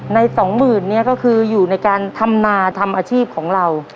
สองหมื่นเนี่ยก็คืออยู่ในการทำนาทำอาชีพของเรา